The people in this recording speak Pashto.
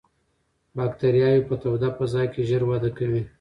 باکتریاوې په توده فضا کې ژر وده کوي.